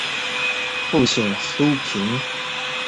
父亲苏玭。